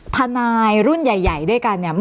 ทนายรุ่นใหญ่ด้วยกันเนี่ย